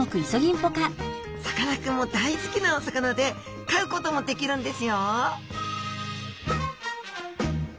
さかなクンも大好きなお魚で飼うこともできるんですよ